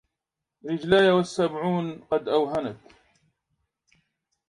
رجلاي والسبعون قد أوهنت